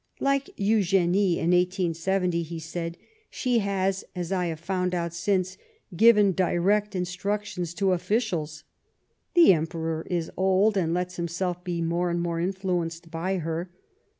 " Like Eugenie in 1870," he said, " she has, as I have found out since, given direct instructions to officials. The Emperor is old, and lets himself be more and more influenced by her.